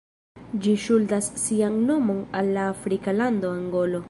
Ĝi ŝuldas sian nomon al la afrika lando Angolo.